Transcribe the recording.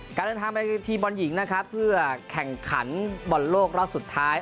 งานทางไปที่บอร์นหญิงนะครับเพื่อแข่งขั้นบอร์นโลกรอดสุดท้าย